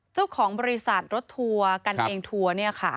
เจ้าของบริษัทรถทัวร์กันเองทัวร์เนี่ยค่ะ